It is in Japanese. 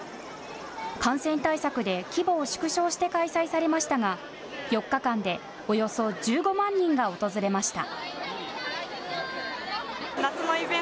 感染対策で規模を縮小して開催されましたが４日間でおよそ１５万人が訪れました。